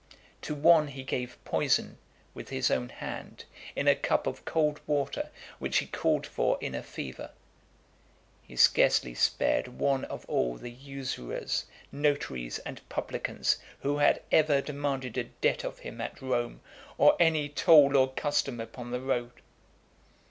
To one he gave poison with his own hand, in a cup of cold water which he called for in a fever. He scarcely spared one of all the usurers, notaries, and publicans, who had ever demanded a debt of him at Rome, or any toll or custom upon the road.